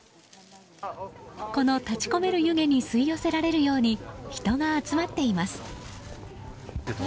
この立ち込める湯気に吸い寄せられるように人が集まっています。